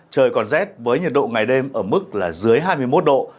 trời còn rét với nhiệt độ ngày đêm ở mức là dưới hai mươi một độ